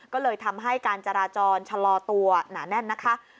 ก็เลยทำให้การจราจรชะลอตัวหนาแน่นนะคะ